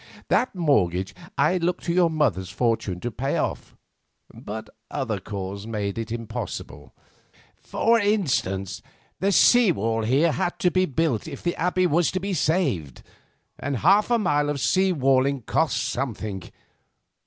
That mortgage I looked to your mother's fortune to pay off, but other calls made this impossible. For instance, the sea wall here had to be built if the Abbey was to be saved, and half a mile of sea walling costs something.